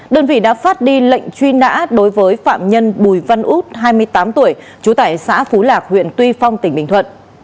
đơn vị đã phát đi lệnh truy nã đối với phạm nhân bùi văn út hai mươi tám tuổi trú tại xã phú lạc huyện tuy phong tỉnh bình thuận